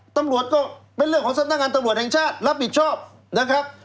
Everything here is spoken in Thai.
ตำรวจก็เป็นเรื่องของสำนักงานตำรวจแห่งชาติรับผิดชอบนะครับ